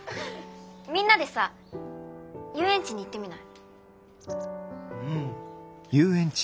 みんなでさ遊園地に行ってみない？